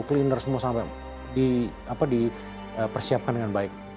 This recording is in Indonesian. all in there semua sampai di persiapkan dengan baik